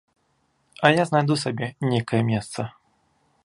А я знайду сабе нейкае месца.